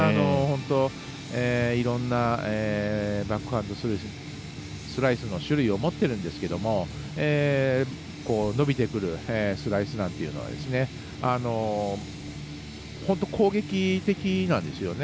いろんなバックハンドスライスの種類を持っているんですけども伸びてくるスライスなんていうのは本当に攻撃的なんですよね。